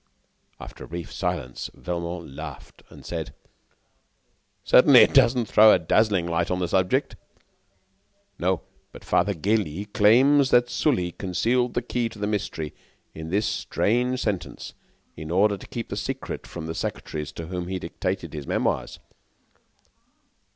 '" After a brief silence, Velmont laughed and said: "Certainly, it doesn't throw a dazzling light upon the subject." "No; but Father Gélis claims that Sully concealed the key to the mystery in this strange sentence in order to keep the secret from the secretaries to whom he dictated his memoirs."